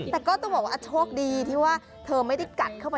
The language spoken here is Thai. แต่ก็ต้องบอกว่าโชคดีที่ว่าเธอไม่ได้กัดเข้าไป